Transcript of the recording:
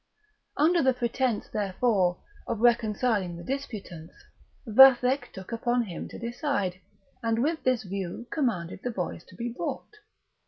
Under the pretence, therefore, of reconciling the disputants, Vathek took upon him to decide; and with this view commanded the boys to be brought.